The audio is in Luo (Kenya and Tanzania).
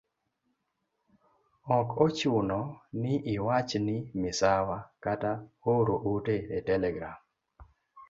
Ok ochuno ni iwach ni misawa kata oro ote e telegram.